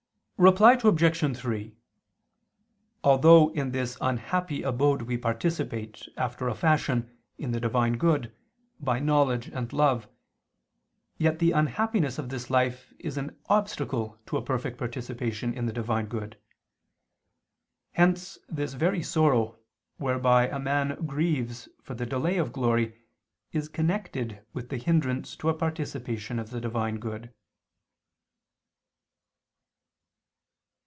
Reply Obj. 3: Although in this unhappy abode we participate, after a fashion, in the Divine good, by knowledge and love, yet the unhappiness of this life is an obstacle to a perfect participation in the Divine good: hence this very sorrow, whereby a man grieves for the delay of glory, is connected with the hindrance to a participation of the Divine good.